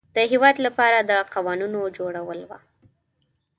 د هیواد لپاره د قوانینو جوړول وه.